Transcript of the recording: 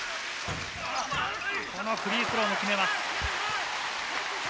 このフリースローも決めます。